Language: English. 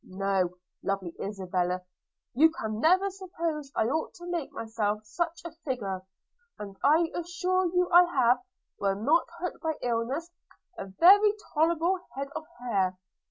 – No! lovely Isabella, you can never suppose I ought to make myself such a figure; and I assure you I have, when not hurt by illness, a very tolerable head of hair.'